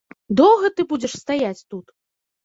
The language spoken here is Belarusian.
Доўга ты будзеш стаяць тут?